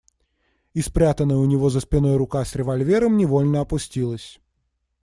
И спрятанная у него за спиной рука с револьвером невольно опустилась.